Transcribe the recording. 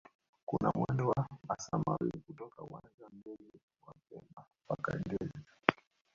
kuna mwendo wa masaa mawili kutoka uwanja wa ndege wa pemba mpaka ngezi